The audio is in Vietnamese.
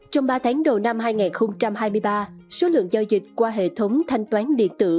trong ba tháng đầu năm hai nghìn hai mươi ba số lượng giao dịch qua hệ thống thanh toán điện tử